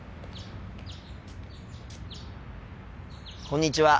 こんにちは。